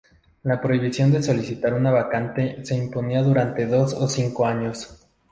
La prohibición de solicitar una vacante se imponía durante dos o cinco años.